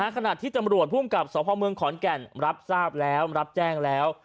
ขณะที่ตำรวจภูมิกับสพเมืองขอนแก่นรับทราบแล้วรับแจ้งแล้ว